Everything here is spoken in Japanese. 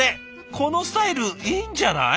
このスタイルいいんじゃない？